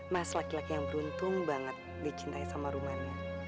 mas laki laki yang beruntung banget dicintai sama rumahnya